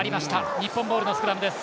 日本ボールのスクラムです。